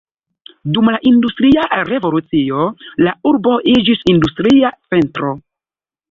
Dum la industria revolucio la urbo iĝis industria centro.